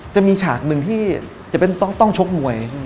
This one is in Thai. จะมีฉากหนึ่งที่จะเป็นต้องชกมวย